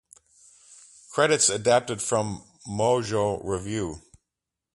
Credits adapted from "Mojo" review.